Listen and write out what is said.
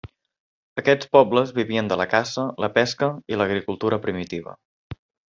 Aquests pobles vivien de la caça, la pesca i l'agricultura primitiva.